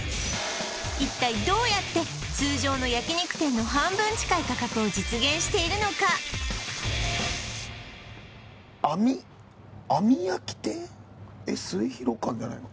一体どうやって通常の焼肉店の半分近い価格を実現しているのかえっスエヒロ館じゃないの？